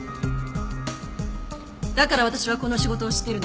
だから私はこの仕事をしてるの。